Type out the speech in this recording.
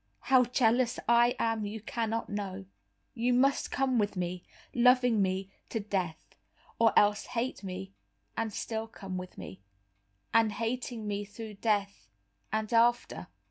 How jealous I am you cannot know. You must come with me, loving me, to death; or else hate me and still come with me. and hating me through death and after.